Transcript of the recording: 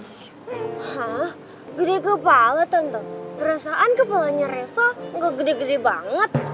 hah gede kepala tentu perasaan kepalanya reva nggak gede gede banget